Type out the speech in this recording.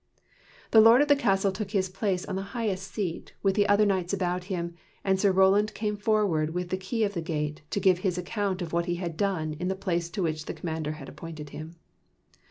The lord of the castle took his place on the highest seat, with the other knights about him, and Sir Roland came forward with the key of the gate, to give his account of what he had done in the place to which the commander had appointed him.